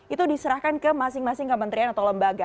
itu diserahkan ke masing masing kementerian atau lembaga